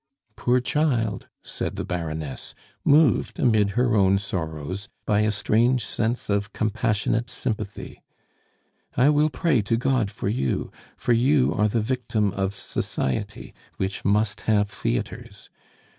"Poor child!" said the Baroness, moved amid her own sorrows by a strange sense of compassionate sympathy; "I will pray to God for you; for you are the victim of society, which must have theatres.